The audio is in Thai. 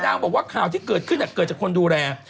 นางบอกว่าข่าวที่เกิดขึ้นจากคนดูแล